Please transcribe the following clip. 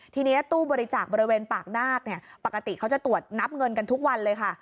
ทีนี้ตู้บริจาคบริเวณปากนาคปกติเขาจะตรวจนับเงินกันทุกวันเลยค่ะ